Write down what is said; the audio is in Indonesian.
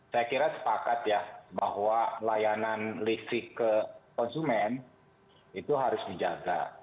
saya kira sepakat ya bahwa layanan listrik ke konsumen itu harus dijaga